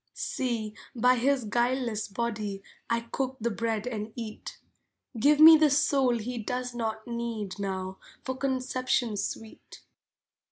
See, by his guileless body I cook the bread and eat. Give me the soul he does not need Now, for conception sweet.